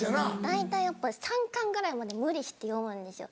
大体やっぱ３巻ぐらいまで無理して読むんですよ。